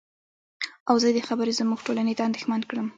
او زه دې خبرې زمونږ ټولنې ته اندېښمن کړم.